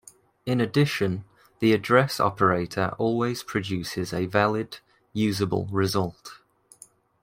In addition, the address operator always produces a valid, usable result.